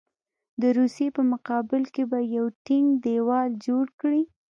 د روسیې په مقابل کې به یو ټینګ دېوال جوړ کړي.